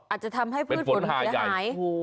อาจจะทำให้พืชฝนหายใหญ่